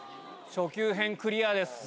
初級編、クリアです。